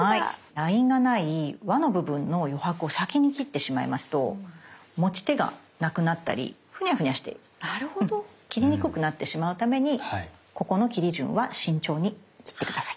ラインがない輪の部分の余白を先に切ってしまいますと持ち手がなくなったりフニャフニャして切りにくくなってしまうためにここの切り順は慎重に切って下さい。